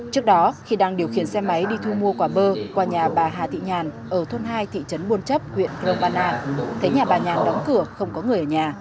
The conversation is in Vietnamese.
trước đó khi đang điều khiển xe máy đi thu mua quả bơ qua nhà bà hà thị nhàn ở thôn hai thị trấn buôn chấp huyện cromana thấy nhà bà nhàn đóng cửa không có người ở nhà